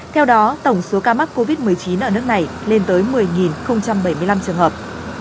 theo đó tổng số ca mắc covid một mươi chín ở nước này lên tới một mươi bảy mươi năm trường hợp